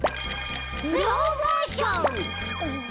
スローモーション！